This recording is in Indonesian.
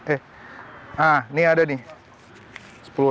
eh nah ini ada nih